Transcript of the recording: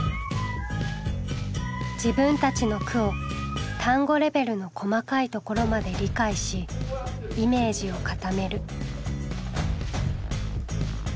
自分たちの句を単語レベルの細かいところまで理解しイメージを固める。